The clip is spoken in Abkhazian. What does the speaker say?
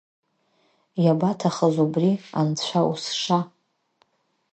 Иабаҭахыз убри, анцәа узша?